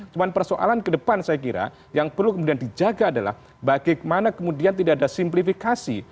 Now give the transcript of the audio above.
cuma persoalan ke depan saya kira yang perlu kemudian dijaga adalah bagaimana kemudian tidak ada simplifikasi